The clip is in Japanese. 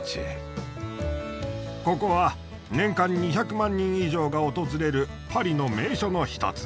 ここは年間２００万人以上が訪れるパリの名所の一つ。